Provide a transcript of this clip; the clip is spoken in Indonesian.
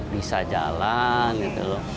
bisa jalan gitu loh